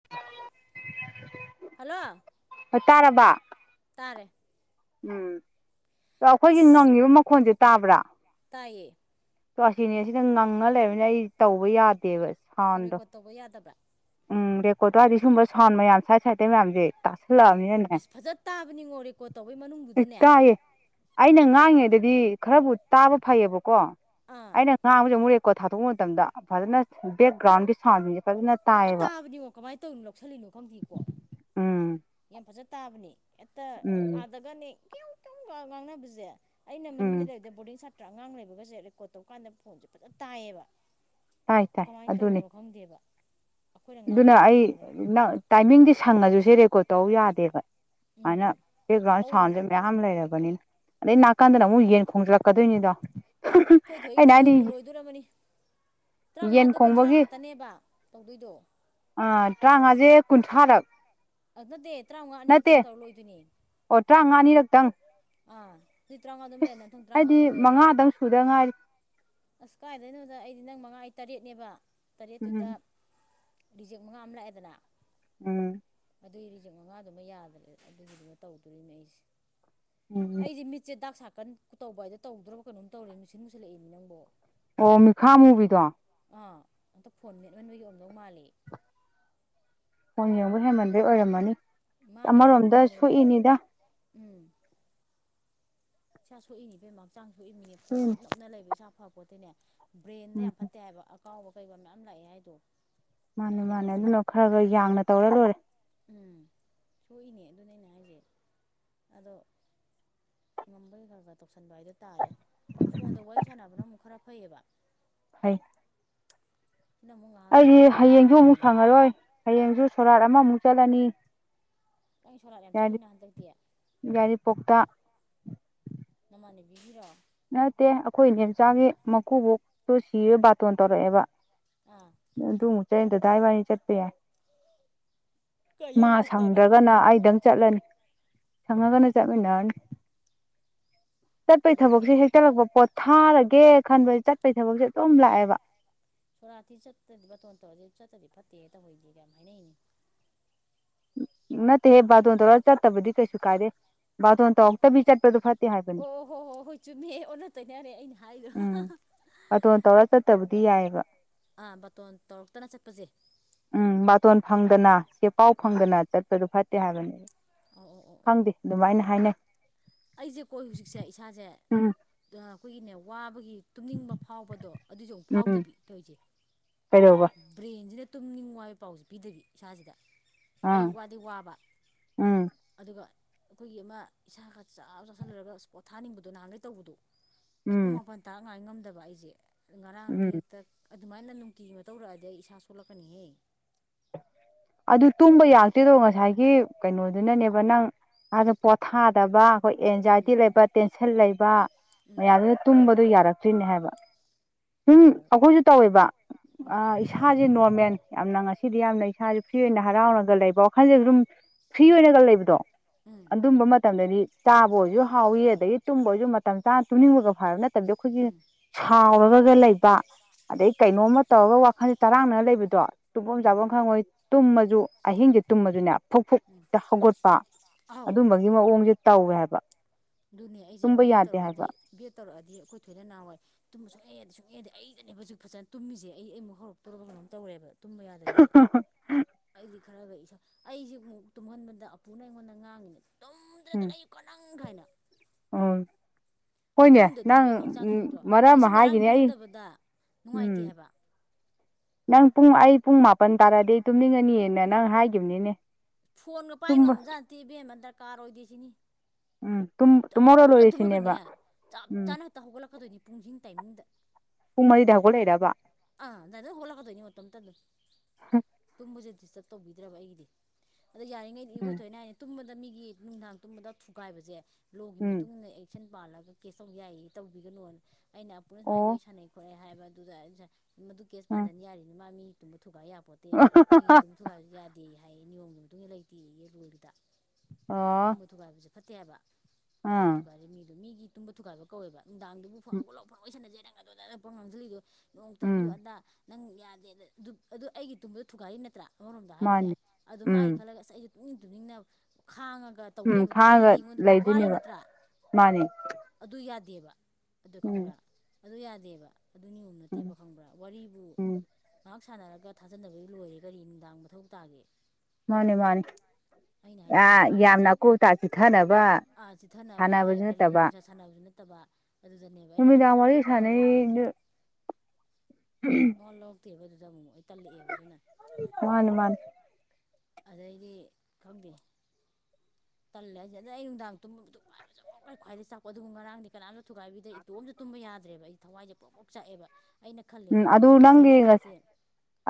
[inaudible] hello ꯇꯥꯔꯕ ꯇꯥꯔꯦ ꯎꯝ ꯑ ꯑꯩꯈꯣꯏꯒꯤ ꯏꯁ ꯉꯪꯉꯤꯕ ꯃꯈꯣꯟꯁꯦ ꯇꯥꯕ꯭ꯔꯥ ꯇꯥꯏꯌꯦ ꯑꯁꯤꯅꯦ ꯁꯤꯗ ꯉꯪꯉ ꯂꯩꯃꯤꯅ ꯑꯩ ꯇꯧꯕ ꯌꯥꯗꯦꯕ ꯑꯣ ꯁꯥꯎꯟꯗꯣ ꯔꯦꯀꯣꯔꯠ ꯇꯧꯕ ꯌꯥꯗꯕ꯭ꯔꯥ ꯎꯝ ꯔꯦꯀꯣꯔꯠꯇꯗꯋꯥꯔꯗꯤ ꯁꯨꯝꯕ ꯁꯥꯎꯟ ꯃꯌꯥꯝ ꯁꯥꯏꯠ ꯁꯥꯏꯗꯇꯩ ꯃꯌꯥꯝꯁꯦ ꯑꯥ ꯇꯥꯁꯜꯂꯛꯑꯕꯅꯤꯅꯅꯦ ꯑꯁ ꯐꯖ ꯇꯥꯕꯅꯤꯉꯣ ꯀꯧꯔꯦꯀꯣ ꯇꯧꯕꯩ ꯑꯦ ꯃꯅꯨꯡꯗꯨꯗꯅꯦ ꯇꯥꯏꯌꯦ ꯑꯩꯅ ꯍꯦꯛꯇ ꯄꯤꯛ ꯉꯥꯡꯉꯉꯩꯗꯗꯤ ꯈꯔꯕꯨ ꯇꯥꯕ ꯐꯩꯌꯦꯕꯀꯣ ꯑꯥ ꯑꯩꯅ ꯉꯥꯡꯕꯁꯦ ꯑꯃꯨꯛꯨꯔꯦꯀꯣ ꯊꯥꯗꯣꯛꯄ ꯃꯇꯝꯗ ꯐꯖꯅ ꯕꯦꯛꯒ꯭ꯔꯥꯎꯟꯒꯤ ꯁꯥꯎꯟꯁꯤꯡꯁꯦ ꯐꯖꯅ ꯐꯖꯅ ꯇꯥꯏꯌꯦꯕ ꯇꯥꯕꯅꯤꯉꯣ ꯀꯃꯥꯏꯅ ꯇꯧꯅꯣ ꯂꯧꯁꯜꯂꯤꯅꯣ ꯈꯪꯗꯦꯀꯣ ꯎꯝ ꯌꯥꯝ ꯐꯖ ꯇꯥꯕꯅꯤ ꯍꯦꯛꯇ ꯎꯝ ꯑꯥꯗꯒꯅꯦ ꯀꯨ ꯇꯨꯡꯒ ꯉꯥꯡꯅꯕꯁꯦ ꯑꯩꯅ ꯃꯅꯨꯡꯗ ꯎꯝ ꯂꯩꯕꯗ ꯕꯣꯔꯗꯤꯡ ꯁꯥꯇ꯭ꯔ ꯑꯉꯥꯡ ꯂꯩꯕꯒꯁꯦ ꯔꯦꯀꯣꯔꯠ ꯇꯧꯀꯥꯟꯗ ꯐꯣꯟꯁꯦ ꯐꯖꯅ ꯇꯥꯏꯌꯦꯕ ꯇꯥꯏ ꯇꯥꯏ ꯀꯃꯥꯏꯅ ꯑꯗꯨꯅꯦ ꯇꯧꯕꯅꯣ ꯈꯪꯗꯦꯕ ꯑꯩꯈꯣꯏꯅ ꯑꯗꯨꯅ ꯑꯩ ꯉꯥꯡꯕꯁꯤꯗ ꯍꯦꯟꯅ ꯇꯥꯏꯃꯤꯡꯗꯤ ꯁꯪꯉꯁꯨꯁꯦ ꯔꯦꯀꯣꯔꯠ ꯇꯧ ꯌꯥꯗꯦꯕ ꯑꯗꯨꯃꯥꯏꯅ ꯎꯝ ꯕꯦꯛꯒ꯭ꯔꯥꯎꯟ ꯁꯥꯎꯟꯁꯦ ꯍꯧꯕꯗꯣ ꯃꯌꯥꯝ ꯑ ꯂꯩꯔꯕꯅꯤꯅ ꯑꯗꯩ ꯅꯥꯀꯥꯟꯗꯅ ꯑꯃꯨꯛ ꯌꯦꯟ ꯈꯣꯝꯖꯤꯜꯂꯛꯀꯗꯣꯏꯅꯤꯗꯣ ꯍꯣꯏ ꯊꯣꯢꯒꯤꯗꯤ ꯂꯣꯏꯕꯨ ꯂꯣꯏꯗꯣꯔꯝꯃꯅꯤ ꯌꯦꯟ ꯇꯔꯥꯃꯉꯥꯗ ꯀꯨꯟꯊ꯭ꯔꯥ ꯈꯣꯡꯕꯒꯤ ꯈꯛꯇꯅꯦꯕ ꯇꯧꯗꯣꯏꯗꯣ ꯑꯥ ꯇꯔꯥꯃꯉꯥꯁꯦ ꯀꯨꯟꯊ꯭ꯔꯥꯔꯛ ꯑꯗꯨ ꯅꯠꯇꯦ ꯇꯔꯥꯃꯉꯥ ꯅꯠꯇꯦ ꯑꯅꯤꯔꯛꯇꯪ ꯇꯧꯔ ꯂꯣꯏꯗꯣꯏꯅꯦ ꯑꯣ ꯇꯔꯥꯃꯉꯥꯅꯤꯔꯛꯇꯪ ꯑꯥ ꯃꯤ ꯇꯔꯥꯃꯉꯥ ꯑꯗꯨꯝ ꯂꯩꯔꯦ ꯅꯊꯨꯡ ꯇꯔꯥꯃꯉꯥꯒ ꯂꯣꯏꯔꯦ ꯁꯨꯗꯪꯉꯥꯏꯔꯤ ꯑꯁ ꯀꯥꯏꯗꯣꯏꯅꯣꯗ ꯑꯩꯗꯤ ꯅꯪ ꯃꯉꯥ ꯑꯩ ꯇꯔꯦꯠꯅꯦꯕ ꯎꯝ ꯇꯔꯦꯠꯇꯨꯗ ꯔꯤꯖꯦꯛ ꯃꯉꯥ ꯑꯃ ꯂꯥꯛꯑꯦꯗꯅ ꯎꯝ ꯑꯗꯨꯏ ꯔꯤꯖꯦꯛ ꯃꯉꯥꯗꯨꯃ ꯌꯥꯗ꯭ꯔꯦ ꯑꯗꯨꯒꯤꯗꯨꯃ ꯇꯧꯗꯣꯔꯤꯅꯦ ꯑꯩꯁꯦ ꯎꯝ ꯑꯩꯗꯤ ꯃꯤꯠꯁꯦ ꯗꯥꯛ ꯁꯥꯀꯟꯧꯧꯕ ꯍꯥꯏꯗꯣ ꯇꯧꯗ꯭ꯔꯕ ꯀꯩꯅꯣꯝ ꯇꯧꯔꯤ ꯅꯨꯡꯁꯤꯠ ꯃꯨꯁꯤꯜꯂꯛꯏꯃꯤ ꯅꯪꯕꯣ ꯑꯣ ꯃꯤꯈꯥ ꯃꯨꯕꯤꯗꯣ ꯑꯥ ꯑꯝꯇ ꯐꯣꯟ ꯃꯦꯠꯃꯟꯕꯒꯤ ꯑꯣꯝꯗꯧ ꯃꯥꯜꯂꯦ ꯐꯣꯟ ꯌꯦꯡꯕ ꯍꯦꯟꯃꯟꯕꯩ ꯑꯣꯏꯔꯝꯃꯅꯤ ꯃꯥꯅꯦ ꯐꯣꯟ ꯑꯃꯔꯣꯝꯗ ꯌꯦꯡꯕꯗꯁꯨ ꯁꯣꯛꯏꯅꯤꯗ ꯎꯝ ꯏꯁꯥ ꯁꯣꯛꯏꯅꯦ ꯢꯕꯦꯝꯃ ꯍꯛꯆꯥꯡ ꯁꯣꯛꯏꯅꯤꯅꯦ ꯐꯣꯟ ꯁꯣꯛꯏꯅꯤ ꯁꯨꯝ ꯅꯞꯅ ꯂꯩꯕ ꯏꯁꯥ ꯐꯕꯣꯟꯇꯦꯅꯦ ꯕ꯭ꯔꯦꯟꯗ ꯎꯝ ꯌꯥꯝ ꯐꯠꯇꯦ ꯍꯥꯏꯕ ꯑꯀꯥꯎꯕ ꯀꯩꯀ ꯃꯌꯥꯝ ꯂꯥꯛꯑꯦ ꯍꯥꯏꯗꯣ ꯃꯥꯅꯦ ꯑꯗꯨꯅꯦ ꯃꯥꯅꯦ ꯍꯥꯏꯁꯦ ꯑꯗꯨꯅ ꯈꯔ ꯈꯔ ꯌꯥꯡꯅ ꯇꯧꯔ ꯂꯣꯏꯔꯦ ꯎꯝ ꯊꯣꯛꯏꯅꯦ ꯑꯗꯨꯅꯦ ꯑꯩꯅ ꯍꯥꯏꯁꯦ ꯑꯗꯣ ꯉꯝꯕꯒꯤ ꯈꯔ ꯈꯔ ꯇꯧꯁꯟꯕ ꯍꯥꯏꯗꯣ ꯇꯥꯔꯦ ꯑꯗꯣ ꯐꯣꯟꯗ ꯋꯥꯔꯤ ꯁꯥꯟꯅꯕꯅ ꯑꯃꯨꯛ ꯈꯔ ꯐꯩꯌꯦꯕ ꯍ [inaudible] ꯁꯤꯅ ꯑꯃꯨꯛ ꯉꯥꯏꯍꯥꯛ ꯆꯤꯟꯗ ꯈꯔ ꯍꯌꯦꯡꯁꯨ ꯑꯃꯨꯛ ꯉꯥꯡꯈꯤꯕꯅꯤ ꯁꯪꯉꯔꯣꯏ ꯍꯌꯦꯡꯁꯨ ꯁꯣꯔꯥꯠ ꯑꯃꯃꯨꯛ ꯆꯠꯂꯅꯤ ꯑꯩ ꯁꯣꯂꯥꯠ ꯌꯥꯝ ꯆꯠꯂꯤꯅ ꯍꯟꯗꯛꯇꯤ ꯌꯥꯏꯔꯤꯄꯣꯛꯇ ꯅꯃꯥꯟꯅ ꯕꯤꯒꯤꯔꯣ ꯅꯠꯇꯦ ꯑꯩꯈꯣꯏ ꯢꯅꯦꯝꯆꯥꯒꯤ ꯃꯀꯨꯕꯣꯛꯇꯨ ꯁꯤꯔꯦ ꯕꯥꯇꯣꯟ ꯇꯧꯔꯛꯑꯦꯕ ꯑꯥ ꯑꯗꯨ ꯆꯗꯗꯥꯥꯏ [inaudible] ꯋꯥꯅꯤ ꯆꯠꯄ ꯌꯥꯏ ꯃꯥ ꯌꯥꯏꯔꯤꯄꯣꯛꯇꯕ ꯁꯪꯗ꯭ꯔꯒꯅ ꯑꯩꯗꯪ ꯆꯠꯂꯅꯤ ꯁꯪꯉꯒꯅ ꯆꯠꯃꯤꯟꯅꯔꯅꯤ ꯆꯠꯄꯩ ꯎꯝ ꯊꯕꯛꯁꯦ ꯍꯦꯛꯇꯥꯠꯂꯛꯄ ꯄꯣꯠꯊꯥꯔꯒꯦ ꯈꯟꯕ ꯆꯠꯄꯩ ꯊꯕꯛꯁꯦ ꯑꯗꯨꯝ ꯂꯥꯛꯑꯦꯕ ꯁꯣꯔꯥꯠꯇꯤ ꯆꯠꯇ꯭ꯔꯗꯤ ꯕꯇꯣꯟ ꯇꯧꯔꯗꯤ ꯆꯠꯇ꯭ꯔꯗꯤ ꯐꯠꯇꯦ ꯇꯧꯍꯩꯗꯦꯒ ꯌꯥꯝ ꯍꯥꯏꯅꯩꯅꯦ ꯅꯠꯇꯦꯍꯦ ꯕꯥꯇꯣꯟ ꯇꯧꯔ ꯆꯠꯇꯕꯗꯤ ꯀꯩꯁꯨ ꯀꯥꯏꯗꯦ ꯕꯥꯇꯣꯟ ꯇꯧꯔꯛꯇꯕꯤ ꯆꯠꯄꯗꯨ ꯐꯠꯇꯦ ꯍꯥꯏꯕꯅꯤ ꯍꯣꯏ ꯍꯣ ꯍꯣꯏ ꯆꯨꯝꯃꯦ ꯑꯣꯟꯅ ꯇꯩꯅꯔꯦ ꯑꯩꯅ ꯍꯥꯏꯗꯣ ꯎꯝ ꯕꯥꯇꯣꯟ ꯇꯧꯔ ꯆꯠꯇꯕꯨꯗꯤ ꯌꯥꯏꯑꯕ ꯑꯥ ꯕꯇꯣꯟ ꯇꯧꯔꯛꯇꯅ ꯆꯠꯄꯁꯦ ꯎꯝ ꯕꯥꯇꯣꯟ ꯐꯪꯗꯅ ꯁꯦ ꯄꯥꯎ ꯑꯥ ꯐꯪꯗꯅ ꯆꯠꯄꯗꯨ ꯐꯠꯇꯦ ꯍꯥꯏꯕꯅꯤ ꯑꯣ ꯑꯣ ꯑꯣ ꯑꯣ ꯑꯗꯨꯃꯥꯏꯅ ꯍꯥꯏꯅꯩ ꯑꯩꯁꯦ ꯀꯣ ꯍꯧꯖꯤꯛꯁꯦ ꯏꯁꯥꯁꯦ ꯎꯝ ꯑꯩꯈꯣꯏꯒꯤꯅꯦ ꯋꯥꯕꯒꯤ ꯇꯨꯝꯅꯤꯡꯕ ꯐꯥꯎꯕꯗꯣ ꯑꯗꯨꯁꯨ ꯑꯃꯨꯛ ꯎꯝ ꯐꯥꯎꯗꯕꯤ ꯇꯣꯏꯁꯦ ꯀꯩꯗꯧꯕ ꯕ꯭ꯔꯦꯟꯁꯤꯅ ꯇꯨꯝꯅꯤꯡꯉꯣ ꯍꯥꯢꯕ ꯄꯥꯎꯁꯦ ꯄꯤꯗꯕꯤ ꯏꯁꯥꯁꯤꯗ ꯑꯥ ꯑꯩ ꯋꯥꯗꯤ ꯋꯥꯕ ꯎꯝ ꯑꯗꯨꯒ ꯑꯩꯈꯣꯏꯒꯤ ꯑꯃ ꯏꯁꯥꯁꯤ ꯆꯥꯛ ꯆꯥꯥꯁꯜꯂꯨꯔꯒ ꯄꯣꯠꯊꯥꯅꯤꯡꯕꯗꯣ ꯅꯍꯥꯟꯗꯩ ꯇꯧꯕꯗꯣ ꯑꯁ ꯎꯝ ꯄꯨꯡ ꯃꯥꯄꯜ ꯇꯔꯥ ꯉꯥꯢ ꯉꯝꯗꯕ ꯑꯩꯁꯦ ꯉꯔꯥꯡꯗꯤ ꯎꯝ ꯍꯦꯛꯇ ꯑꯗꯨꯃꯥꯏꯅ ꯅꯨꯡꯇꯤꯒꯤ ꯑꯃ ꯇꯧꯔꯛꯑꯗꯤ ꯑꯩ ꯏꯁꯥ ꯁꯣꯛꯂꯛꯀꯅꯤꯍꯦ ꯑꯗꯨ ꯇꯨꯝꯕ ꯌꯥꯔꯛꯇꯔꯤꯗꯣ ꯉꯁꯥꯏꯒꯤ ꯀꯩꯅꯣꯗꯨꯅꯅꯦꯕ ꯅꯪ ꯑꯗ ꯄꯣꯊꯥꯗꯕ ꯑꯩꯈꯣꯏ ꯎꯝ ꯑꯦꯟꯖꯥꯏꯇꯤ ꯂꯩꯕ ꯇꯦꯟꯁꯟ ꯂꯩꯕ ꯎꯝ ꯃꯌꯥꯝꯗꯨ ꯇꯨꯝꯕꯗꯣ ꯌꯥꯔꯛꯇ꯭ꯔꯤꯅꯦ ꯍꯥꯏꯕ ꯎꯝ ꯑꯥꯎ ꯑꯩꯈꯣꯏꯁꯨ ꯇꯧꯋꯦꯕ ꯎꯝ ꯏꯁꯥꯁꯦ ꯅꯣꯔꯃꯦꯜ ꯌꯥꯝꯅ ꯉꯁꯤꯗꯤ ꯌꯥꯝꯅ ꯏꯁꯥꯁꯦ ꯐ꯭ꯔꯤ ꯑꯣꯏꯅ ꯍꯔꯥꯎꯔꯒ ꯂꯩꯕ ꯋꯥꯈꯜꯁꯦ ꯁꯨꯝ ꯐ꯭ꯔꯤ ꯑꯣꯏꯅꯒ ꯂꯩꯕꯗꯣ ꯎꯝ ꯑꯗꯨꯝꯕ ꯃꯇꯝꯗꯗꯤ ꯆꯥꯕ ꯑꯣꯏꯔꯁꯨ ꯍꯥꯎꯏ ꯑꯗꯒꯤ ꯇꯨꯝꯕ ꯑꯣꯏꯔꯁꯨ ꯃꯇꯝ ꯆꯥꯅ ꯇꯨꯝꯅꯤꯡꯕꯒ ꯐꯔꯅꯤ ꯑꯩꯈꯣꯏꯒꯤ ꯎꯝ ꯁꯥꯎꯔꯒꯒ ꯂꯩꯕ ꯑꯗꯩ ꯀꯩꯅꯣꯝꯃ ꯇꯧꯔꯒ ꯋꯥꯈꯜꯁꯦ ꯆꯔꯥꯡꯅꯅ ꯂꯩꯕꯗꯣ ꯎꯝ ꯇꯨꯝꯐꯝ ꯎꯝ ꯆꯥꯐꯝ ꯈꯪꯉꯣꯏ ꯇꯨꯝꯃꯁꯨ ꯑꯍꯤꯡꯁꯦ ꯇꯨꯝꯃꯁꯨꯅꯦ ꯐꯨꯛ ꯎꯝ ꯐꯨꯛꯇ ꯍꯧꯒꯠꯄ ꯑꯥꯎ ꯑꯗꯨꯝꯕꯒꯤ ꯒꯤ ꯃꯑꯣꯡꯁꯦ ꯇꯧꯋꯦ ꯍꯥꯏꯕ ꯑꯗꯨꯅꯦ ꯑꯩꯁꯦ ꯇꯨꯝꯕ ꯕꯤ ꯑꯦꯗ ꯌꯥꯗꯦ ꯇꯧꯔꯛꯑꯗꯤ ꯍꯥꯏꯕ ꯕꯤ ꯑꯦꯗ ꯇꯧꯔꯛꯑꯗꯤ ꯑꯩꯈꯣꯏ ꯊꯣꯏꯅ ꯅꯍꯥꯟꯋꯥꯏ ꯇꯨꯝꯕ ꯁꯨꯡꯌꯥ ꯌꯥꯗꯦ ꯁꯨꯛꯌꯥ ꯌꯥꯗꯦ ꯑꯩꯗꯅꯦꯕ ꯍꯧꯖꯤꯛ ꯐꯖꯅ ꯇꯨꯝꯃꯤꯁꯦ ꯑꯩꯃꯨꯛ ꯍꯧꯔꯛꯇꯣꯔꯕ ꯀꯩꯅꯣꯝ ꯇꯧꯔꯦꯕ ꯇꯨꯝꯕ ꯌꯥꯗꯕꯤꯖꯦ ꯑꯩꯗꯤ ꯈꯔꯒ ꯏꯁ ꯑꯩꯁꯤ ꯑꯃꯨꯛ ꯇꯨꯝꯍꯟꯕꯗ ꯑꯄꯨꯅ ꯑꯩꯉꯣꯟꯗ ꯉꯥꯡꯉꯤꯅꯦ ꯇꯨꯝꯗ꯭ꯔꯗꯅ ꯂꯩ ꯀꯅꯪ ꯀꯥꯏꯅ ꯑꯥꯎ ꯍꯣꯏꯅꯦ ꯇꯨꯝꯗꯗꯤ ꯅꯪ ꯏꯕꯦꯝꯃ ꯍꯛꯆꯥꯡ ꯁꯣꯛꯏꯗ꯭ꯔꯣ ꯃꯔꯛ ꯑꯃ ꯉꯁꯤ ꯉꯔꯥꯡ ꯍꯥꯏꯈꯤꯅꯦ ꯑꯩ ꯇꯨꯝꯗꯕꯗ ꯎꯝ ꯅꯨꯡꯉꯥꯏꯇꯦ ꯍꯥꯏꯕ ꯅꯪ ꯄꯨꯡ ꯑꯩ ꯄꯨꯡ ꯃꯥꯄꯥꯜ ꯇꯥꯔꯗꯤ ꯇꯨꯝꯅꯤꯡꯉꯅꯤꯅ ꯅꯪ ꯍꯥꯏꯈꯤꯕꯅꯤꯅꯦ ꯐꯣꯟꯒ ꯄꯥꯏ ꯇꯨꯝꯕ ꯉꯝꯕꯖꯥꯠ ꯅꯠꯇꯦ ꯏꯕꯦꯝꯃ ꯗꯔꯀꯥꯔ ꯑꯣꯏꯗꯦ ꯁꯤꯅꯤ ꯎꯝ ꯇꯨꯝ ꯇꯨꯝꯍꯧꯔ ꯇꯥꯞ ꯂꯣꯏꯔꯦ ꯁꯤꯅꯦꯕ ꯇꯨꯝꯃꯒꯅꯦ ꯆꯞ ꯎꯝ ꯆꯥꯅ ꯍꯦꯛꯇ ꯍꯧꯒꯠꯂꯛꯀꯗꯣꯏꯅꯤ ꯄꯨꯡꯁꯤꯡ ꯇꯥꯏꯃꯤꯡꯗ ꯄꯨꯡ ꯃꯔꯤꯗ ꯍꯧꯒꯠꯂꯤꯔꯕ ꯑꯥ ꯗꯗ ꯍꯣꯂꯛ ꯀꯗꯣꯏꯅꯤꯉ ꯇꯝ ꯇ ꯑꯗꯨꯣ [inaudible] ꯇꯨꯝꯕꯖꯦ ꯗꯤꯁꯇꯔꯕ ꯇꯧꯕꯤꯗ꯭ꯔꯕ ꯑꯩꯒꯤꯗꯤ ꯑꯗꯣ ꯌꯥꯔꯤꯉꯩ ꯏꯈꯣꯏ ꯎꯝ ꯊꯣꯏꯅ ꯍꯥꯏꯅꯦ ꯇꯨꯝꯕꯗ ꯃꯤꯒꯤ ꯅꯨꯡꯗꯥꯡ ꯇꯨꯝꯕꯗ ꯊꯨꯒꯥꯏꯕꯖꯦ ꯂꯣꯒꯤ ꯎꯝ ꯃꯇꯨꯡ ꯏꯟꯅ ꯑꯦ ꯁꯟ ꯄꯥꯜꯂꯒ ꯀꯦꯁ ꯇꯧ ꯌꯥꯏꯌꯦ ꯇꯧꯕꯤꯒꯅꯣꯅ ꯑꯩꯅ ꯄꯨꯟꯅ ꯁꯨꯃꯥꯏꯅ ꯑꯣ ꯋꯥꯔꯤ ꯁꯥꯟꯅꯩ ꯈꯣꯠꯑꯦ ꯍꯥꯏꯕ ꯑꯗꯨꯗ ꯑꯗꯨ ꯑꯩꯅ ꯁꯨꯃꯥꯏ ꯃꯗꯨ ꯀꯦꯁ ꯎꯝ ꯄꯥꯟꯖꯟ ꯌꯥꯔꯦꯅꯦ ꯃꯥ ꯃꯤ ꯇꯨꯝꯕ ꯊꯨꯒꯥꯏ ꯌꯥꯄꯣꯠꯇꯦ ꯃꯤꯒꯤ ꯇꯨꯝ ꯊꯨꯒꯥꯏꯕꯖꯦ ꯌꯥꯗꯦꯌꯦ ꯍꯥꯏꯌꯦ ꯅꯤꯌꯣꯝꯒꯤ ꯃꯇꯨꯡꯏꯟꯅ ꯂꯩꯇꯦꯌꯦ ꯔꯨꯜꯗ ꯑꯣ ꯇꯨꯝꯕ ꯊꯨꯒꯥꯏꯕꯖꯦ ꯐꯠꯇꯦ ꯍꯥꯏꯕ ꯇꯨꯝꯕ ꯑꯥ ꯊꯨꯒꯥꯏꯔꯤ ꯃꯤꯗꯣ ꯃꯤꯒꯤ ꯇꯨꯝꯕ ꯊꯨꯒꯥꯏꯕ ꯀꯧꯋꯦꯕ ꯅꯨꯡꯗꯥꯡꯗꯨꯕꯨ ꯐꯨ ꯍꯧꯒꯠꯂꯣ ꯐꯣꯟ ꯋꯥꯔꯤ ꯁꯥꯟꯅꯖꯦ ꯗꯪ ꯑꯗꯨꯗꯔ ꯄꯨꯡ ꯉꯥꯡꯖꯜꯂꯤꯗꯣ ꯅꯣꯡꯇ ꯎꯝ ꯑꯗꯨ ꯑꯗꯥ ꯅꯪ ꯌꯥꯗꯦꯗ ꯗꯨꯞ ꯑꯗꯨ ꯑꯩꯒꯤ ꯇꯨꯝꯕꯗꯣ ꯊꯨꯒꯥꯏꯔꯤ ꯅꯠꯇ꯭ꯔꯥ ꯑꯃꯔꯣꯝꯗ ꯍꯥꯏꯔꯨꯗꯤ ꯃꯥꯅꯤ ꯑꯗꯣ ꯃꯥꯥꯏ ꯎꯝ ꯈꯜꯂꯒ ꯑꯁ ꯑꯩꯖꯦ ꯇꯨꯝꯅꯤꯡ ꯇꯨꯝꯅꯤꯡꯅ ꯈꯥꯡꯉꯒ ꯇꯧ ꯎꯝ ꯂꯩꯕꯗꯣ ꯑꯩꯗꯤ ꯈꯥꯡꯉꯒ ꯑꯩꯉꯣꯟꯗꯗꯤ ꯋꯥꯔꯤ ꯂꯩꯗꯣꯏꯅꯦꯕ ꯅꯠ ꯃꯥꯅꯤ ꯑꯗꯨ ꯌꯥꯗꯦꯕ ꯑꯗꯨ ꯎꯝ ꯈꯪꯕ꯭ꯔꯥ ꯑꯗꯨ ꯌꯥꯗꯦꯕ ꯑꯗꯨ ꯅꯤꯌꯣꯝ ꯎꯝ ꯅꯠꯇꯦꯕ ꯈꯪꯕ꯭ꯔꯥ ꯋꯥꯔꯤꯕꯨ ꯎꯝ ꯉꯥꯍꯥꯛ ꯁꯥꯟꯅꯔꯒ ꯊꯥꯖꯅꯕꯩ ꯂꯣꯏꯔꯦ ꯀꯔꯤ ꯅꯨꯡꯗꯥꯡ ꯃꯊꯧ ꯇꯥꯒꯦ ꯃꯥꯅꯤ ꯃꯥꯅꯤ ꯑꯩꯅ ꯍꯥꯏꯅꯤꯡꯉꯤꯖꯦ ꯍꯥ ꯕꯟꯆꯥ ꯌꯥꯝꯅ ꯑꯀꯨꯞ ꯑꯇꯥ ꯆꯤꯊꯅꯕ ꯑꯥ ꯁꯤꯗ ꯁꯥꯟꯅꯕ ꯑꯦ ꯁꯥꯟꯅꯕꯁꯨ ꯀꯔꯤ ꯅꯠꯇꯕ ꯖ꯭ꯋꯥꯔ ꯁꯥꯟꯅꯕꯁꯨ ꯅꯠꯇꯕ ꯑꯗꯨꯗꯅꯦꯕ ꯑꯩꯅ ꯅꯨꯃꯤꯗꯥꯡ ꯋꯥꯔꯤ ꯃꯋꯥ ꯂꯧꯔꯛꯇꯦ ꯍꯥꯏꯖꯦ [inaudible] ꯎꯝ ꯍꯨꯝ ꯃꯋꯥ ꯂꯧꯔꯛꯇꯦꯕ ꯑꯗꯨꯗ ꯑꯃꯨꯛ ꯃꯨꯛ ꯑꯩ ꯇꯜꯂꯛꯑꯦꯕ ꯑꯗꯨꯅ ꯃꯥꯅꯦ ꯃꯥꯅꯤ ꯑꯗꯩꯗꯤ ꯈꯪꯗꯦ ꯇꯜꯂꯦ ꯍꯥꯏꯁꯦ ꯑꯗꯩ ꯑꯩ ꯅꯨꯡꯗꯥꯡ ꯇꯨꯝꯕ ꯇꯨꯝ [unintelligible] ꯈ꯭ꯋꯥꯏꯗꯩ ꯆꯥꯛꯄ ꯑꯗꯨꯕꯨ ꯉꯔꯥꯡꯗꯤ ꯀꯅꯥꯝꯇ ꯊꯨꯒꯥꯏꯕꯤꯗꯦ ꯏꯇꯣꯝꯇ ꯇꯨꯝꯕ ꯌꯥꯗ꯭ꯔꯦꯕ ꯑꯩ ꯊꯋꯥꯏꯖꯦ ꯄ꯭ꯔꯣꯛ ꯄ꯭ꯔꯣꯛ ꯆꯥꯛꯑꯦꯕ ꯑꯩꯅ ꯈꯜꯂꯦ ꯎꯝ ꯑꯣ ꯑꯗꯨ ꯃꯁꯤꯒꯤ ꯅꯪꯒꯤ ꯆꯦꯟꯖ ꯂꯥꯛꯏꯁꯦ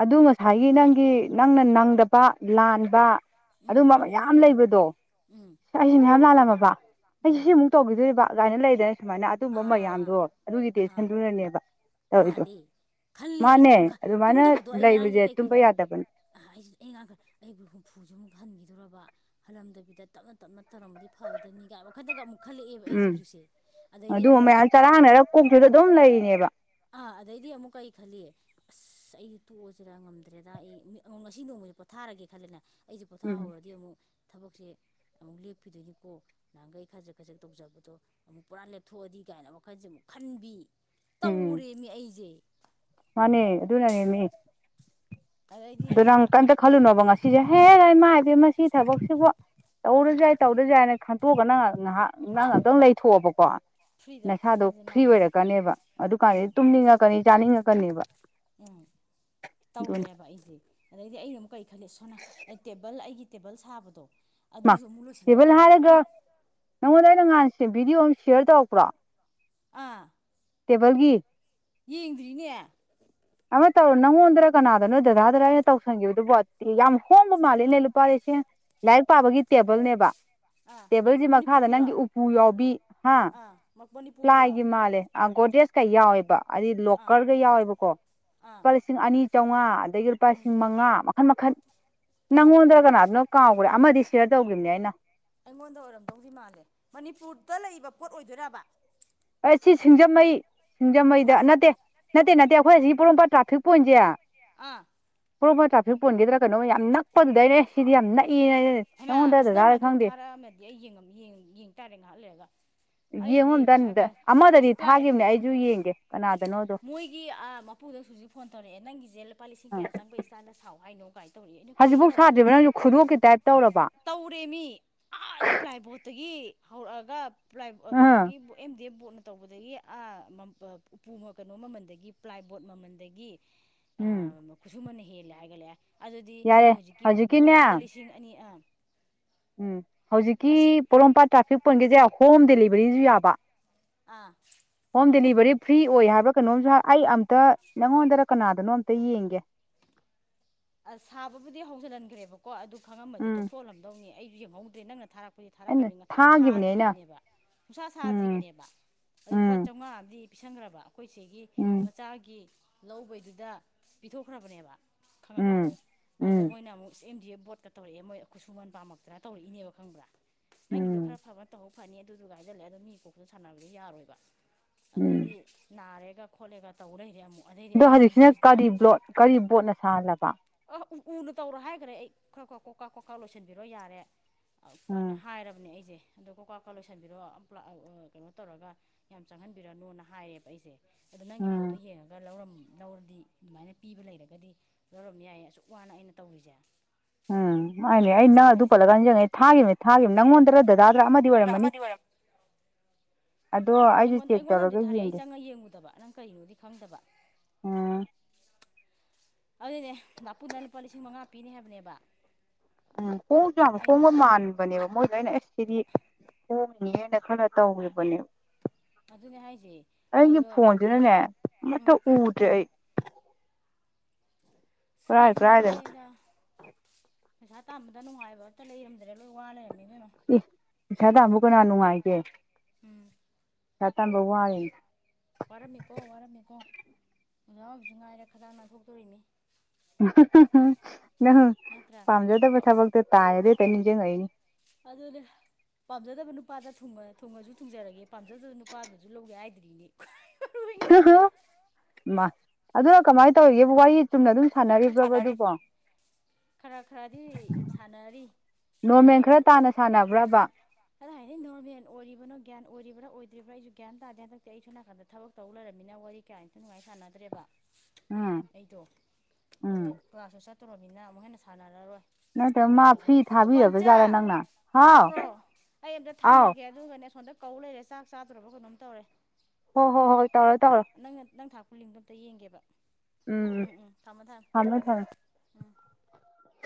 ꯑꯗꯨ ꯉꯁꯥꯏꯒꯤ ꯅꯪꯒꯤ ꯅꯪꯅ ꯅꯪꯗ ꯄꯥ ꯂꯥꯟꯕ ꯎꯝ ꯑꯗꯨꯝꯕ ꯃꯌꯥꯝ ꯂꯩꯕꯗꯣ ꯎꯝ ꯑꯩꯁꯤ ꯃꯌꯥꯝ ꯂꯥꯜꯂꯝꯃꯕ ꯑꯩꯁꯦ ꯎꯝ ꯁꯤꯃꯨꯛ ꯇꯧꯈꯤꯗꯣꯔꯤꯕ ꯒꯥꯏꯅ ꯂꯩꯗꯅ ꯁꯨꯃꯥꯏꯅ ꯑꯗ ꯗꯨꯝꯕ ꯑꯥ ꯑꯥ ꯃꯌꯥꯝꯗꯣ ꯑꯗꯨꯒꯤ ꯇꯁꯟꯗꯨꯅꯅꯦꯕ ꯃꯥꯜꯂꯦ ꯈꯜꯂꯦ ꯑꯩꯁꯦ ꯑꯗꯨꯝ ꯑꯗꯨꯃꯥꯏꯅ ꯇꯨꯝꯗꯕꯗꯣ ꯑꯩ ꯉꯔꯥꯡꯁꯦ ꯂꯩꯕꯁꯦ ꯀꯩ ꯇꯨꯝꯕ ꯈꯜꯂꯤ ꯌꯥꯗꯕꯅꯦ ꯑꯍ ꯑꯩꯖꯦ ꯑꯩ ꯉꯔꯥꯡ ꯈꯜ ꯑꯩꯕꯨ ꯍꯨꯝꯐꯨꯖꯤꯃꯨꯛ ꯍꯟꯒꯤꯗꯣꯔꯕ ꯍꯜꯂꯝꯗꯕꯤꯗ ꯇꯞꯅ ꯇꯞꯅ ꯇꯧꯔꯝꯕꯗꯤ ꯐꯒꯗꯅꯤ ꯒꯥꯏ ꯋꯥ ꯈꯟꯗꯒ ꯑꯃꯨꯛ ꯈꯜꯂꯛꯑꯦꯕ ꯑꯩꯖꯦ ꯎꯝ ꯍꯨꯖꯤꯛꯁꯦ ꯑꯗꯩꯗꯤ ꯑꯗꯨ ꯑꯃꯨꯛ ꯃꯌꯥꯝ ꯆꯔꯥꯡꯅꯔ ꯀꯣꯛꯇꯨꯗ ꯑꯗꯨꯝ ꯂꯩꯔꯤꯅꯦꯕ ꯑꯥ ꯑꯗꯩꯗꯤ ꯑꯃꯨꯛ ꯀꯩ ꯈꯜꯂꯤ ꯑꯁ ꯑꯩꯗꯤ ꯇꯣꯛꯑꯁꯤꯔ ꯉꯝꯗ꯭ꯔꯦꯗ ꯑꯩ ꯃꯤ ꯉꯣ ꯉꯁꯤ ꯅꯣꯡꯃꯁꯦ ꯄꯣꯊꯥꯔꯒꯦ ꯈꯜꯂꯦꯅꯦ ꯑꯩꯁꯦ ꯎꯝ ꯄꯣꯊꯥꯍꯧꯔꯗꯤ ꯑꯃꯨꯛ ꯊꯕꯛꯁꯦ ꯑꯃꯨꯛ ꯂꯦꯞꯈꯤꯗꯣꯏꯅꯤꯀꯣ ꯅꯍꯥꯟꯒꯩ ꯈꯖꯤꯛ ꯈꯖꯤꯛ ꯇꯧꯖꯕꯗꯣ ꯑꯃꯨꯛ ꯄꯨꯔꯥ ꯂꯦꯞꯊꯣꯛꯑꯗꯤ ꯀꯥꯏꯅ ꯋꯥꯈꯟꯁꯦ ꯑꯃꯨꯛ ꯈꯟꯕꯤ ꯎꯝ ꯇꯧꯔꯦꯃꯤ ꯑꯩꯖꯦ ꯃꯥꯅꯦ ꯑꯗꯨꯅꯅꯦ ꯃꯤ ꯑꯗꯩꯗꯤ ꯑꯗꯨ ꯅꯪ ꯀꯩꯏꯝꯇ ꯈꯜꯂꯨꯅꯣꯕ ꯉꯁꯤꯁꯦ ꯍꯦ ꯎꯝ ꯏꯃꯥꯏ ꯄꯦꯝꯃꯥ ꯁꯤ ꯊꯕꯛꯁꯤꯕꯨ ꯇꯧꯔꯁꯨ ꯌꯥꯏ ꯇꯧꯗ꯭ꯔꯖꯨ ꯌꯥꯏꯅ ꯈꯟꯇꯣꯛꯑꯒ ꯅꯪ ꯉꯥꯍꯥꯛ ꯅꯪ ꯉꯥꯛꯇꯪ ꯂꯩꯊꯣꯛꯑꯣꯕꯀꯣ ꯐ꯭ꯔꯤꯗ ꯅꯁꯥꯗꯣ ꯏꯁꯥꯁꯦ ꯐ꯭ꯔꯤ ꯃꯥꯏꯟꯗꯣ ꯑꯣꯏꯔꯛꯀꯅꯦꯕ ꯎꯝ ꯑꯗꯨꯀꯥꯟꯗꯗꯤ ꯇꯨꯝꯅꯤꯡꯉꯛꯀꯅꯤ ꯆꯥꯅꯤꯡꯉꯛꯀꯅꯦꯕ ꯎꯝ ꯑꯗꯨꯅꯤ ꯇꯧꯔꯦꯕ ꯑꯩꯁꯦ ꯑꯗꯩꯗꯤ ꯑꯩꯅ ꯑꯃꯨꯛ ꯀꯔꯤ ꯈꯜꯂꯤ ꯁꯣꯅ ꯑꯩ ꯇꯦꯕꯜ ꯑꯩꯒꯤ ꯇꯦꯕꯜ ꯁꯥꯕꯗꯣ ꯃꯥ ꯑꯗꯨꯁꯨ ꯑꯃꯨꯛ ꯂꯣꯏꯁꯤꯜꯂꯛꯇꯕ ꯑꯩ ꯅꯉꯣꯟꯗ ꯑꯩꯅ ꯅꯍꯥꯟꯁꯦ ꯚꯤꯗꯤꯑꯣ ꯑꯃ ꯁꯤꯌꯔ ꯇꯧꯔꯛꯄ꯭ꯔꯣ ꯑꯥ ꯇꯦꯕꯜꯒꯤ ꯌꯦꯡꯗ꯭ꯔꯤꯅꯦ ꯑꯃ ꯇꯧꯔꯣ ꯅꯪꯉꯣꯟꯗꯔꯥ ꯀꯅꯥꯗꯅꯣ ꯗꯗꯥꯥꯗꯔꯥ ꯑꯩꯅ ꯇꯧꯁꯟꯒꯤꯕꯗꯨꯕꯣ ꯌꯥꯝ ꯍꯣꯡꯕ ꯃꯥꯂꯦꯅꯦ ꯂꯨꯄꯥ ꯂꯤꯁꯤꯡ ꯂꯥꯏꯔꯤꯛ ꯄꯥꯕꯒꯤ ꯇꯦꯕꯜꯅꯦꯕ ꯑꯥ ꯇꯦꯕꯜꯖꯤ ꯃꯈꯥꯗ ꯃꯅꯤꯄꯨꯔꯒꯤꯔꯣ ꯅꯪꯒꯤ ꯎꯄꯨ ꯌꯥꯎꯕꯤ ꯍꯥ ꯑꯥ ꯃꯅꯤꯄꯨꯔꯒꯤꯔꯣ ꯄ꯭ꯂꯥꯏꯒꯤ ꯃꯥꯜꯂꯦ ꯑ ꯒꯣꯗ꯭ꯔꯦꯖꯀ ꯌꯥꯎꯋꯦꯕ ꯍꯥꯏꯗꯤ ꯑꯥ ꯂꯣꯛꯀꯔꯒ ꯌꯥꯎꯋꯦꯕꯀꯣ ꯑꯥ ꯂꯨꯄꯥ ꯂꯤꯁꯤꯡ ꯑꯅꯤ ꯆꯥꯝꯃꯉꯥ ꯑꯗꯒꯤ ꯂꯨꯄꯥ ꯂꯤꯁꯤꯡ ꯃꯉꯥ ꯃꯈꯟ ꯃꯈꯟ ꯅꯪꯉꯣꯟꯗꯔꯥ ꯑꯣ ꯀꯅꯥꯗꯅꯣ ꯀꯥꯎꯒ꯭ꯔꯦ ꯑꯃꯗꯤ ꯁꯤꯌꯥꯔ ꯇꯧꯈꯤꯕꯅꯦ ꯑꯩꯅ ꯑꯩꯉꯣꯟꯗ ꯑꯣꯏꯔꯝꯗꯧꯗꯤ ꯃꯥꯜꯂꯦ ꯃꯅꯤꯄꯨꯔꯗ ꯂꯩꯕ ꯄꯣꯠ ꯑꯣꯏꯗꯣꯏꯔꯕꯥ ꯑꯩ ꯁꯤ ꯁꯤꯡꯖꯥꯃꯩ ꯃꯥ ꯁꯤꯡꯖꯥꯃꯩꯗ ꯅꯠꯇꯦ ꯅꯠꯇꯦ ꯅꯠꯇꯦ ꯑꯩꯈꯣꯏ ꯑꯁꯤ ꯄꯣꯔꯣꯝꯄꯥꯠ ꯇ꯭ꯔꯥꯐꯤꯛ ꯄꯣꯏꯟꯁꯦ ꯑꯥ ꯄꯣꯔꯣꯝꯄꯥꯠ ꯇ꯭ꯔꯥꯐꯤꯛ ꯄꯣꯏꯟꯗꯒꯤꯗꯔꯥ ꯀꯩꯅꯣ ꯌꯥꯝ ꯅꯛꯄꯗꯨꯗꯥꯅꯦ ꯁꯤꯗꯤ ꯌꯥꯝ ꯅꯛꯏꯅ ꯑꯩꯅꯥ ꯍꯩꯃꯥ ꯅꯪꯉꯣꯟꯗꯔꯥ ꯑꯁ ꯅꯪꯅ ꯗꯗꯥꯥꯗꯔꯥ ꯑꯗꯨ ꯈꯪꯗꯦ ꯊꯥꯔꯛꯑꯝꯃꯗꯤ ꯑꯩ ꯌꯦꯡꯉꯃꯤ ꯌꯦꯡ ꯇꯥꯔꯦ ꯉꯥꯏꯍꯥꯛ ꯂꯩꯔꯒ ꯌꯦꯡꯉꯣ ꯑꯩꯗꯤ ꯄꯩꯁꯥ ꯑꯝꯇ ꯀꯌꯥ ꯑꯃꯗꯗꯤ ꯑꯁ ꯄ꯭ꯂꯥꯏ ꯊꯥꯒꯤꯕꯅꯦ ꯑꯩꯁꯨ ꯌꯦꯡꯒꯦ ꯀꯅꯥꯗꯅꯣꯗꯣ ꯃꯣꯏꯒꯤ ꯑꯥ ꯃꯄꯨꯗꯣ ꯍꯧꯖꯤꯛ ꯐꯣꯟ ꯇꯧꯔꯛꯑꯦ ꯅꯪꯒꯤꯁꯦ ꯂꯨꯄꯥ ꯂꯤꯁꯤꯡ ꯑꯥ ꯀꯌꯥ ꯆꯪꯕꯩ ꯁꯇꯥꯢꯜꯗ ꯁꯥꯎ ꯍꯥꯏꯅꯣ ꯀꯃꯥꯏꯅ ꯇꯧꯔꯤ ꯑꯩꯅ ꯍꯧꯖꯤꯛꯐꯥꯎ ꯀꯩꯅꯣ ꯁꯥꯗ꯭ꯔꯤꯕ ꯅꯪꯁꯨ ꯈꯨꯗꯣꯞꯀꯤ ꯇꯥꯏꯞ ꯇꯧꯔꯕ [inaudible] ꯇꯧꯔꯦꯃꯤ ꯑꯥꯗ ꯄꯂꯥꯏꯕꯣꯠꯇꯒꯤ ꯍꯧꯔꯛꯑꯒ ꯄꯂꯥꯏ ꯑꯥ ꯀꯩꯅꯣꯒꯤ ꯑꯦꯝ ꯗꯤ ꯑꯦꯝ ꯕꯣꯔꯠꯅ ꯇꯧꯕꯗꯒꯤ ꯎꯄꯨ ꯀꯩꯅꯣ ꯃꯃꯜꯗꯒꯤ ꯄꯂꯥꯏꯕꯣꯠ ꯃꯃꯜꯗꯒꯤ ꯑ ꯎꯝ ꯈꯨꯁꯨꯃꯟꯅ ꯍꯦꯜꯂꯦ ꯍꯥꯏꯒꯠꯂꯛꯑꯦ ꯑꯗꯨꯗꯤ ꯌꯥꯔꯦ ꯃꯣꯏ ꯍꯧꯖꯤꯛꯀꯤ ꯍꯧꯖꯤꯛꯀꯤꯅꯦ ꯕꯣꯔꯠꯇꯨꯗ ꯂꯤꯁꯤꯡ ꯑꯅꯤ ꯎꯝ ꯍꯧꯖꯤꯛꯀꯤ ꯉꯁꯤ ꯄꯣꯔꯣꯝꯄꯥꯠ ꯇ꯭ꯔꯥꯐꯤꯛ ꯄꯣꯢꯟꯒꯤꯁꯦ ꯍꯣꯝ ꯗꯦꯂꯤꯚꯔꯤꯁꯨ ꯌꯥꯕ ꯑꯥ ꯍꯣꯝ ꯗꯦꯂꯤꯚꯔꯤ ꯐ꯭ꯔꯤ ꯑꯣꯏ ꯍꯥꯏꯕ꯭ꯔꯥ ꯀꯩꯅꯣꯝꯁꯨ ꯑꯩ ꯑꯝꯇ ꯅꯪꯉꯣꯟꯗꯔꯥ ꯀꯅꯥꯗꯅꯣ ꯑꯝꯇ ꯌꯦꯡꯒꯦ ꯑ ꯁꯥꯕꯕꯨꯗꯤ ꯍꯧꯖꯤꯜꯍꯟꯈ꯭ꯔꯦꯕꯀꯣ ꯑꯗꯨ ꯈꯉꯝꯃꯗꯤ ꯎꯝ ꯇꯣꯛꯊꯣꯛꯍꯟꯂꯝꯗꯧꯅꯤ ꯑꯩꯁꯨ ꯌꯦꯡꯍꯧꯗ꯭ꯔꯦ ꯅꯪꯅ ꯊꯥꯔꯛꯄ ꯑꯩꯈꯣꯏꯗꯤ ꯑꯩꯅ ꯊꯥꯔꯛꯈ꯭ꯔꯕꯅꯤꯅ ꯊꯥꯈꯤꯕꯅꯦ ꯑꯩꯅ ꯁꯥꯗ꯭ꯔꯤꯕꯅꯦꯕ ꯁꯨꯡꯁꯥ ꯎꯝ ꯁꯥꯗ꯭ꯔꯤꯕꯅꯦꯕ ꯑꯗꯥ ꯂꯨꯄꯥ ꯎꯝ ꯆꯥꯝꯃꯉꯥ ꯑꯃꯗꯤ ꯄꯤꯁꯟꯒꯔꯕ ꯑꯩꯈꯣꯏ ꯆꯦꯒꯤ ꯎꯝ ꯃꯆꯥꯒꯤ ꯂꯧꯕꯩꯗꯨꯗ ꯄꯤꯊꯣꯛꯈ꯭ꯔꯕꯅꯦꯕ ꯈꯪꯉꯕ ꯎꯝ ꯑꯗꯨꯗ ꯎꯝ ꯃꯣꯏꯅ ꯑꯃꯨꯛ ꯑꯦꯝ ꯗꯤ ꯑꯦꯐ ꯕꯣꯔꯠꯀ ꯇꯧꯔꯛꯑꯦ ꯃꯣꯏ ꯈꯨꯠꯁꯨꯃꯟ ꯄꯥꯝꯃꯛꯇꯅ ꯇꯧꯔꯛꯏꯅꯦꯕ ꯈꯪꯕ꯭ꯔꯥ ꯅꯪꯒꯤꯗꯣ ꯈꯔ ꯎꯝ ꯐꯕꯅ ꯇꯧꯍꯧ ꯐꯅꯤ ꯑꯗꯨꯗꯨꯒ ꯍꯥꯏꯖꯜꯂꯦ ꯑꯗꯣ ꯃꯤ ꯀꯣꯛꯇ ꯁꯥꯟꯅꯕꯗꯣ ꯌꯥꯔꯣꯏꯕ ꯎꯝ ꯑꯗꯩꯗꯤ ꯅꯥꯔꯦꯒ ꯈꯣꯠꯂꯦꯒ ꯇꯧ ꯂꯩꯔꯦ ꯑꯃꯨꯛ ꯑꯗꯩꯗꯤ ꯑꯗꯣ ꯑꯩꯅ ꯍꯧꯖꯤꯛꯁꯤꯅ ꯑꯌꯨꯛꯇ ꯀꯔꯤ ꯕ꯭ꯂꯣꯠ ꯀꯔꯤ ꯕꯣꯔꯠꯅ ꯁꯥꯍꯜꯂꯕ ꯑ ꯎ ꯎꯅ ꯇꯧꯔꯣ ꯍꯥꯏꯈ꯭ꯔꯦ ꯑꯩ ꯈꯔ ꯈꯔ ꯀꯣꯛꯀꯥ ꯀꯣꯛꯀꯥ ꯂꯣꯏꯁꯤꯟꯕꯤꯔꯣ ꯌꯥꯔꯦ ꯎꯝ ꯍꯥꯏꯔꯕꯅꯦ ꯑꯩꯁꯦ ꯑꯗꯣ ꯀꯣꯛꯀꯥ ꯀꯣꯛꯀꯥ ꯂꯣꯏꯁꯟꯕꯤꯔꯣ ꯀꯩꯅꯣ ꯇꯧꯔꯒ ꯌꯥꯝ ꯆꯪꯍꯟꯕꯤꯔꯅꯣꯅ ꯍꯥꯏꯌꯦꯕ ꯑꯩꯁꯦ ꯑꯗꯣ ꯅꯪꯒꯤ ꯄꯣꯠꯇꯣ ꯎꯝ ꯌꯦꯡꯉꯒ ꯂꯧꯔꯝ ꯂꯧꯔꯗꯤ ꯑꯗꯨꯃꯥꯏꯅ ꯄꯤꯕ ꯂꯩꯔꯒꯗꯤ ꯂꯧꯔꯝ ꯌꯥꯏꯌꯦ ꯑꯁꯨꯛ ꯋꯥꯅ ꯑꯩꯅ ꯇꯧꯔꯤꯁꯦ ꯎꯝ ꯍꯥꯏꯅꯦ ꯑꯩ ꯑꯗꯨꯅꯦ ꯅꯪ ꯑꯗꯨ ꯍꯥꯏꯁꯦ ꯄꯜꯂꯒ ꯅꯤꯡꯖꯪꯉꯛꯢꯅꯦ ꯊꯥꯒꯤꯕꯅꯦ ꯊꯥꯒꯤꯕꯅꯦ ꯅꯪꯉꯣꯟꯗꯔꯥ ꯗꯗꯥꯗꯔꯥ ꯑꯃꯗꯤ ꯑꯣꯏꯔꯝ ꯑꯃꯗꯤ ꯑꯣꯢꯔꯝꯅꯤ ꯑꯗꯣ ꯑꯣ ꯑꯩꯁꯨ ꯑꯩꯉꯣꯟꯗ ꯆꯦꯛ ꯑꯩꯉꯣꯟꯗ ꯇꯧꯔꯒ ꯑꯃꯗꯤ ꯊꯥꯔꯛꯑꯦ ꯌꯦꯡꯒꯦ ꯆꯪꯉꯒ ꯌꯦꯡꯉꯨꯗꯕ ꯅꯪ ꯀꯔꯤꯅꯣꯗꯤ ꯈꯪꯗꯕ ꯎꯝ ꯑꯗꯨꯅꯤꯅꯦ ꯗꯥꯄꯨꯅ ꯂꯨꯄꯥ ꯂꯤꯁꯤꯡ ꯃꯉꯥ ꯄꯤꯅꯤ ꯍꯥꯏꯕꯅꯦꯕ ꯎꯝ ꯍꯣꯡꯁꯨ ꯌꯥꯝ ꯑꯩꯅ ꯍꯣꯡꯕ ꯃꯥꯟꯕꯅꯦꯕ ꯃꯣꯏꯗꯣ ꯑꯩꯅ ꯑꯦ ꯁꯤꯗꯤ ꯍꯣꯡꯉꯤꯅ ꯈꯜꯂꯒ ꯇꯧꯒꯤꯕꯅꯦꯕ ꯑꯗꯨꯅꯦ ꯍꯥꯏꯁꯦ ꯑꯩꯒꯤ ꯑꯗꯣ ꯐꯣꯟꯖꯤꯅꯅꯦ ꯑꯃꯇꯥ ꯎꯝ ꯎꯗ꯭ꯔꯦ ꯑꯩ ꯀꯔꯥꯏ ꯀꯔꯥꯏꯗꯅꯣ ꯋꯥꯥꯏꯗꯥ ꯄꯩꯁꯥ ꯇꯥꯟꯕꯗ ꯅꯨꯡꯉꯥꯏꯕ ꯑꯝꯇ ꯂꯩꯔꯝꯗ꯭ꯔꯦ ꯂꯣꯏ ꯋꯥ ꯂꯩꯔꯝꯃꯦ ꯏꯕꯦꯝꯃ ꯏ ꯄꯩꯁꯥ ꯇꯥꯟꯕꯕꯨ ꯀꯅꯥ ꯅꯨꯡꯉꯥꯏꯒꯦ ꯎꯝ ꯄꯩꯁꯥ ꯇꯥꯟꯕ ꯋꯥꯔꯤꯅꯤ ꯋꯥꯔꯝꯃꯤꯀꯣ ꯋꯥꯔꯝꯃꯤꯀꯣ ꯑꯣꯖꯥ ꯑꯣꯏꯕꯁꯨ ꯉꯥꯏꯔꯦ ꯈꯗꯥꯡ ꯅꯥꯟꯊꯣꯛꯇꯣꯔꯤꯃꯤ ꯅꯪ ꯅꯠꯇ꯭ꯔꯥ ꯄꯥꯝꯖꯗꯕ ꯊꯕꯛꯇꯣ ꯇꯥꯏ ꯑꯗꯣ ꯍꯦꯛꯇ ꯅꯤꯡꯓꯪꯉꯛꯏꯅꯤ ꯑꯗꯨꯅꯦ ꯄꯥꯝꯖꯗꯕ ꯅꯨꯄꯥꯗ ꯊꯨꯡꯉꯁꯨ ꯊꯨꯡꯖꯔꯒꯦ ꯄꯥꯝꯖꯗꯕ ꯅꯨꯄꯥꯗꯨꯅꯁꯨ ꯂꯧꯒꯦ ꯍꯥꯏꯗ꯭ꯔꯤꯅꯤ ꯍꯩꯃꯥ ꯑꯗꯨꯅ ꯀꯃꯥꯏꯅ ꯇꯧꯔꯤꯒꯦ ꯋꯥꯔꯤ ꯆꯨꯝꯅ ꯑꯗꯨꯝ ꯁꯥꯟꯅꯔꯤꯕ꯭ꯔꯕ ꯑꯗꯨꯕꯣ ꯈꯔ ꯈꯔꯗꯤ ꯁꯥꯟꯅꯔꯤ ꯅꯣꯔꯃꯦꯜ ꯑꯗꯣ ꯈꯔ ꯇꯥꯅ ꯁꯥꯟꯅꯕ꯭ꯔꯕ ꯀꯅꯥ ꯍꯥꯏꯔꯩꯅ‌ꯣ ꯅꯣꯔꯃꯦꯜ ꯑꯣꯏꯔꯤꯕꯅꯣ ꯒ꯭ꯌꯥꯟ ꯑꯣꯏꯔꯤꯕ꯭ꯔꯥ ꯑꯣꯏꯗ꯭ꯔꯤꯕ꯭ꯔꯥ ꯑꯩꯖꯨ ꯒ꯭ꯌꯥꯟ ꯇꯥꯗ‌ꯦ ꯍꯟꯗꯛꯇꯤ ꯑꯩ ꯁꯣꯝ ꯅꯥꯀꯟꯗ ꯊꯕꯛ ꯇꯧ ꯂꯩꯔꯕꯃꯤꯅ ꯋꯥꯔꯤ ꯀꯌꯥ ꯏꯇꯤ ꯅꯨꯡꯉꯥꯏ ꯁꯥꯟꯅꯗ꯭ꯔꯦꯕ ꯎꯝ ꯑꯩꯗꯣ ꯑꯗꯣ ꯎꯝ ꯀ꯭ꯂꯥꯁꯁꯨ ꯆꯠꯇꯣꯔꯃꯤꯅ ꯑꯃꯨꯛ ꯍꯦꯟꯅ ꯁꯥꯟꯅꯔꯔꯣꯏ ꯅꯠꯇ꯭ꯔ ꯃꯥ ꯇꯧꯔꯤꯁꯦ ꯐ꯭ꯔꯤ ꯑꯣ ꯊꯥꯕꯤꯔꯕ ꯄꯟꯆꯥ ꯖꯥꯠꯂꯥ ꯅꯪꯅ ꯍꯥꯎ ꯇꯥꯕ꯭ꯔꯣ ꯑꯩ ꯑꯝꯇ ꯑꯥꯎ ꯊꯝꯃꯒꯦ ꯑꯗꯨꯒꯅꯦ ꯁꯣꯝꯗ ꯀꯧ ꯂꯩꯔꯦ ꯆꯥꯛ ꯆꯥꯗ꯭ꯔ‌ꯣꯕ ꯀꯩꯅꯣꯝ ꯇꯧꯔꯦ ꯍꯣ ꯍꯣ ꯍꯣꯏ ꯇꯧꯔ‌ꯣ ꯇꯧꯔ‌ꯣ ꯅꯪꯅ ꯅꯪ ꯊꯥꯛꯄ ꯂꯤꯡꯗꯣ ꯑꯝꯇ ꯌꯦꯡꯒꯦꯕ ꯎꯝ ꯊꯝꯃꯣ ꯊꯝ ꯊꯝꯃꯦ ꯊꯝꯃꯦ ꯎꯝ